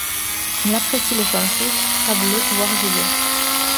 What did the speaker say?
Il apprécie les sols riches, sableux ou argileux.